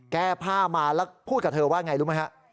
แก้ผ้ามาแล้วพูดกับเธอว่าไงรู้ไหมฮะ